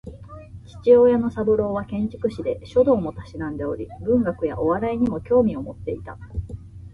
父親の三郎は建築士で、書道も嗜んでおり文学やお笑いにも興味を持っていた